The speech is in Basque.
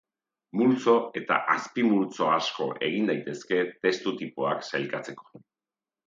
Multzo eta azpimultzo asko egin daitezke testu tipoak sailkatzeko.